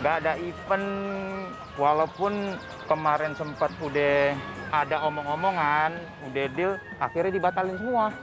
nggak ada event walaupun kemarin sempat udah ada omong omongan udah deal akhirnya dibatalin semua